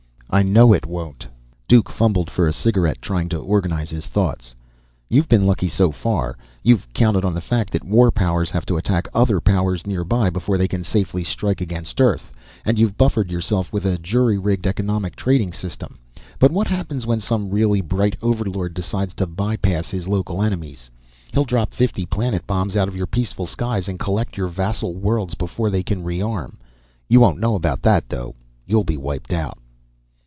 "I know it won't!" Duke fumbled for a cigarette, trying to organize his thoughts. "You've been lucky so far. You've counted on the fact that war powers have to attack other powers nearby before they can safely strike against Earth, and you've buffered yourself with a jury rigged economic trading system. But what happens when some really bright overlord decides to by pass his local enemies? He'll drop fifty planet bombs out of your peaceful skies and collect your vassal worlds before they can rearm. You won't know about that, though. You'll be wiped out!"